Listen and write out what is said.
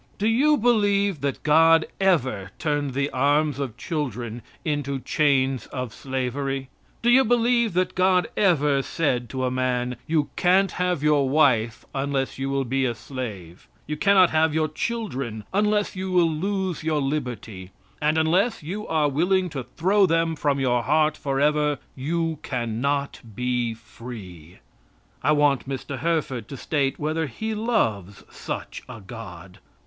Do you believe that God ever turned the arms of children into chains of slavery? Do you believe that God ever said to a man: "You can't have your wife unless you will be a slave? You can not have your children unless you will lose your liberty; and unless you are willing to throw them from your heart forever, you can not be free?" I want Mr. Herford to state whether he loves such a God.